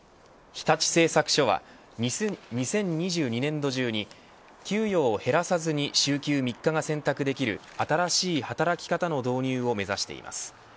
日立製作所は２０２２年度中に給与を減らさずに週休３日が選択できる新しい働き方の導入を目指しています。